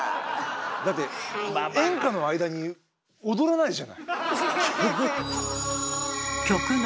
だって演歌の間に踊らないじゃない。